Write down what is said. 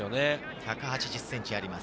１８０ｃｍあります。